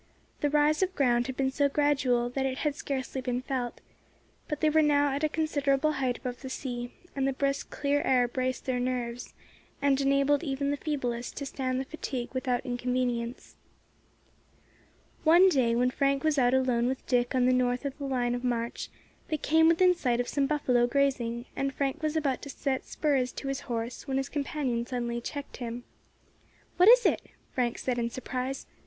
The rise of ground had been so gradual that it had scarcely been felt; but they were now at a considerable height above the sea, and the brisk clear air braced their nerves, and enabled even the feeblest to stand the fatigue without inconvenience. One day when Frank was out alone with Dick on the north of the line of march, they came within sight of some buffalo grazing, and Frank was about to set spurs to his horse when his companion suddenly checked him. "What is it?" Frank said in surprise.